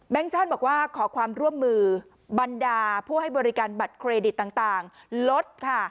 ชั่นบอกว่าขอความร่วมมือบรรดาผู้ให้บริการบัตรเครดิตต่างลดค่ะ